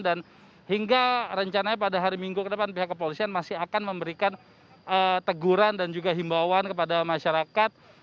dan hingga rencananya pada hari minggu ke depan pihak kepolisian masih akan memberikan teguran dan juga himbawan kepada masyarakat